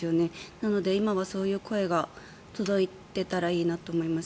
なので、今はそういう声が届いていたらいいなと思います。